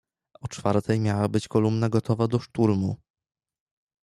"O czwartej miała być kolumna gotowa do szturmu."